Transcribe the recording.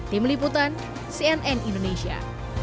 tim liputan cnn indonesia